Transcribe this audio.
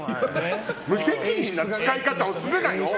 無責任な使い方をするなよ！